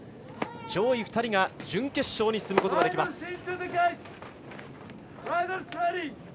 上位２人が準決勝に進みます。